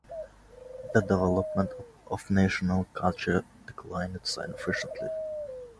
The development of national culture declined significantly.